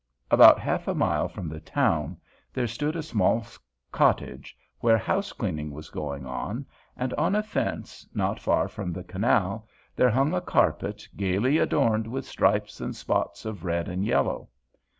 About half a mile from the town there stood a small cottage where house cleaning was going on, and on a fence, not far from the canal, there hung a carpet gaily adorned with stripes and spots of red and yellow.